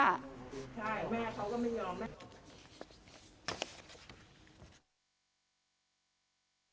ใช่แม่เค้าก็ไม่ยอมแม่เค้าก็ไม่ยอม